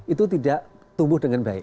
itu tidak tumbuh dengan baik